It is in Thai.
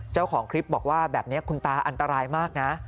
เจ้าของคลิปบอกว่าแบบนี้คุณตาอันตรายมากนะ